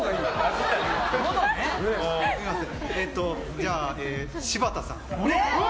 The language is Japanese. じゃあ、柴田さん。